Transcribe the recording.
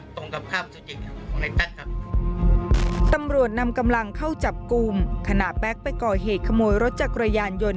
ตำรวจนำกำลังเข้าจับกลุ่มขณะแป๊กไปก่อเหตุขโมยรถจักรยานยนต์